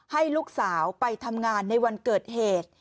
ให้ลูกสาวไปทำงานในวันเกิดเหตุ